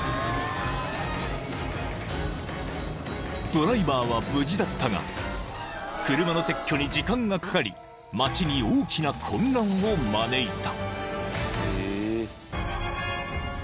［ドライバーは無事だったが車の撤去に時間がかかり街に大きな混乱を招いた］